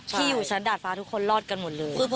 ที่อยู่ชั้นดาดฟ้าทุกคนรอดกันหมดเลย